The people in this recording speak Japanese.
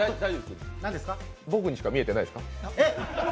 僕にしか見えてないですか？